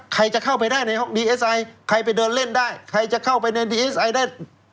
ใครจะเข้าไปได้ในห้องดีเอสไอใครไปเดินเล่นได้ใครจะเข้าไปในดีเอสไอได้